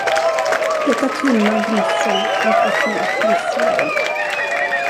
Detta tunna gnissel har fått mig att bli svag.